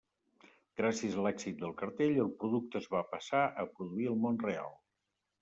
Gràcies a l'èxit del cartell, el producte es va passar a produir al món real.